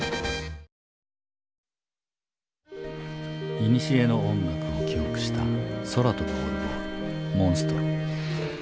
いにしえの音楽を記憶した空飛ぶオルゴール「モンストロ」。